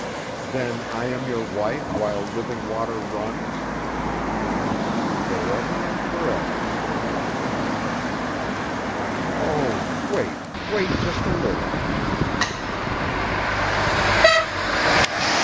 "Then I am your wife while living water runs?" "Forever and forever," he replied. "Oh, wait, wait just a little," she answered.